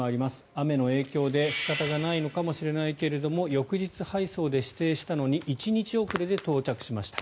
雨の影響で仕方がないのかもしれないけれど翌日配送で指定したのに１日遅れで到着しました。